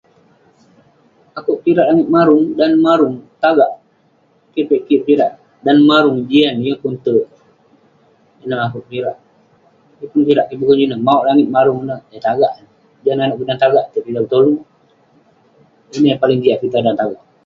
Akouk kirak langit marung dan neh marung, tagak, keh piak kik pekirak ..dan neh marung, jian yeng pun terk..ineh akouk kirak ,yeng pun kirak kik boken jin ineh, mauk langit marung ineh, eh tagak..yah nanouk kik dan tagak, tai pitah betolu, ineh yah paling jiak pitah dan tagak.